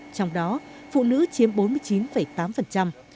trong đó phụ nữ chiếm bốn mươi chín tám